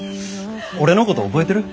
俺のこと覚えてる？